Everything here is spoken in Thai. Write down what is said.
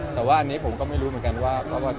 แต่ว่าอันนี้ผมก็ไม่รู้เหมือนกันว่า